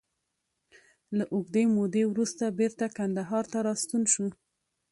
له اوږدې مودې وروسته بېرته کندهار ته راستون شو.